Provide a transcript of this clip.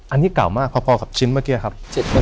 อันนี้เก่ามากพอกับชิ้นเมื่อกี้ครับ